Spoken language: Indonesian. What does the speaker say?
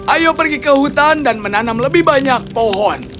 ayo pergi ke hutan dan menanam lebih banyak pohon